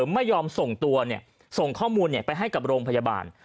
ไม่ยอมส่งตัวส่งข้อมูลไปให้กับโรงพยาบาล